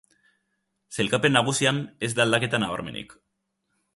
Sailkapen nagusian ez da aldaketa nabarmenik.